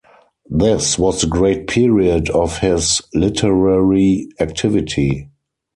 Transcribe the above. This was the great period of his literary activity.